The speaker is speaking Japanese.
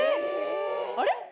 あれ？